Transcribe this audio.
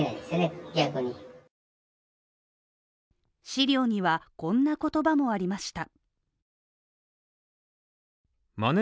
資料には、こんな言葉もありました。